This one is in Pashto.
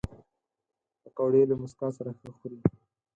پکورې له موسکا سره ښه خوري